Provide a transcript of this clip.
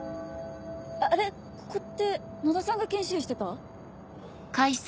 あれここって野田さんが研修医してた？